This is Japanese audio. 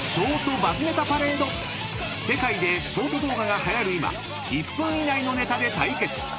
［世界でショート動画がはやる今１分以内のネタで対決］